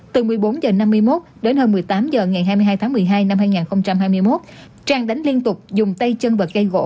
từ một mươi bốn h năm mươi một đến hơn một mươi tám h ngày hai mươi hai tháng một mươi hai năm hai nghìn hai mươi một trang đánh liên tục dùng tay chân bật gây gỗ